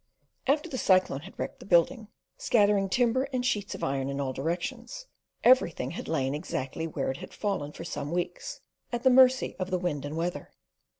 After the cyclone had wrecked the building, scattering timber and sheets of iron in all directions, everything had lain exactly where it had fallen for some weeks, at the mercy of the wind and weather.